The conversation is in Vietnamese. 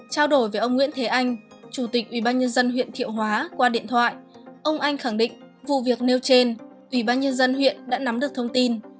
trao đổi với ông nguyễn thế anh chủ tịch ủy ban nhân dân huyện thiệu hóa qua điện thoại ông anh khẳng định vụ việc nêu trên ủy ban nhân dân huyện đã nắm được thông tin